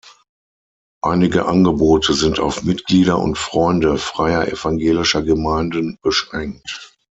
Einige Angebote sind auf Mitglieder und Freunde Freier evangelischer Gemeinden beschränkt.